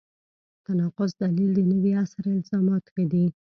تناقض دلیل د نوي عصر الزامات دي.